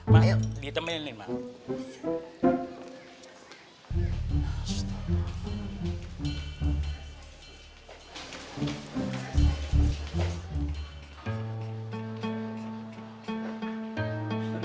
mak ditemani nih mak